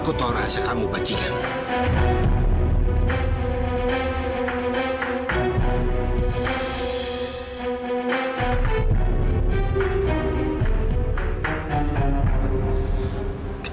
aku tahu rahasia kamu pak cik em